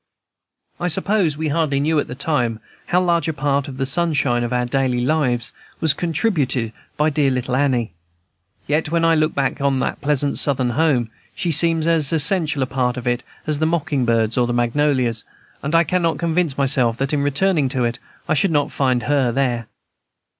I suppose we hardly knew, at the time, how large a part of the sunshine of our daily lives was contributed by dear little Annie. Yet, when I now look back on that pleasant Southern home, she seems as essential a part of it as the mocking birds or the magnolias, and I cannot convince myself that in returning to it I should not find her there.